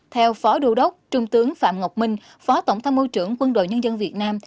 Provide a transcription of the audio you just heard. theo phó đô đốc trung tướng phạm ngọc minh phó tổng tham mưu trưởng quân đội nhân dân việt nam